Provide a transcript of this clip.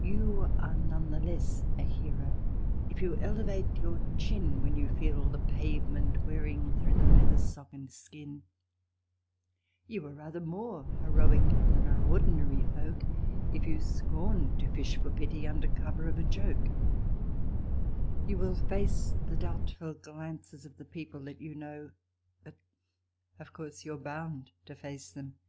You are none the less a hero if you elevate your chin When you feel the pavement wearing through the leather, sock and skin; You are rather more heroic than are ordinary folk If you scorn to fish for pity under cover of a joke; You will face the doubtful glances of the people that you know ; But of course, you're bound to face them when your pants begin to go.